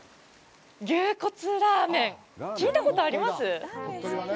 牛骨ラーメン、聞いたことあります？